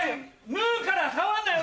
縫うから触んなよ